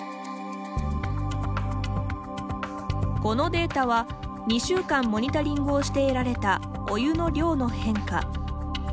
このデータは２週間モニタリングをして得られたお湯の量の変化。